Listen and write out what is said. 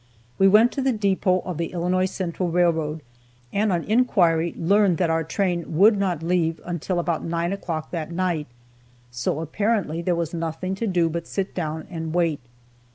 We went to the depot of the Illinois Central railroad, and on inquiry learned that our train would not leave until about nine o'clock that night, so apparently there was nothing to do but sit down and wait.